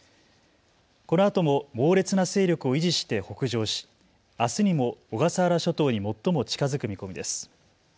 このあとも猛烈な勢力を維持して北上しあすにも小笠原諸島に最も近づく見込みです。